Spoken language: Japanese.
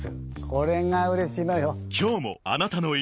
これがうれしいのよ。